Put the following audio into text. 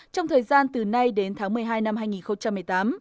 trong thời gian từ nay đến tháng một mươi hai năm hai nghìn một mươi tám